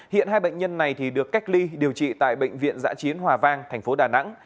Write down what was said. hiện hai bệnh nhân này được cách ly điều trị tại bệnh viện giã chiến hòa vang thành phố đà nẵng